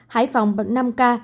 hải phòng năm ca